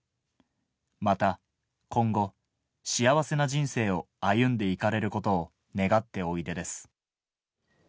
また今後、幸せな人生を歩んでいかれることを願っておいでです。